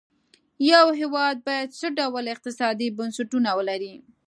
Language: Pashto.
یو هېواد باید څه ډول اقتصادي بنسټونه ولري.